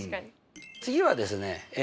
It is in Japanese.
次はですね